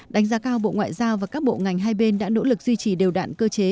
đánh giá cao bộ ngoại giao và các bộ ngành hai bên đã nỗ lực duy trì đều đạn cơ chế